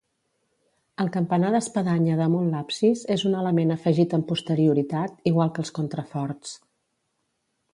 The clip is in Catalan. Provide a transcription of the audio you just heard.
El campanar d'espadanya damunt l'absis és un element afegit amb posterioritat, igual que els contraforts.